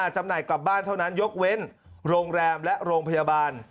จำหน่ายกลับบ้านเท่านั้นยกเว้นโรงแรมและโรงพยาบาล